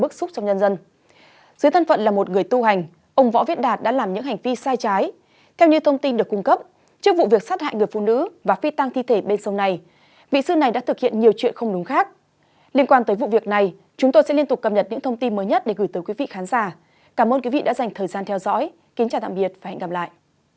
cảm ơn quý vị đã dành thời gian theo dõi kính chào tạm biệt và hẹn gặp lại